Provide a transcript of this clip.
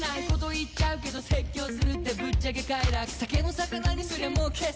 「言っちゃうけど説教するってぶっちゃけ快楽」「酒の肴にすりゃもう傑作」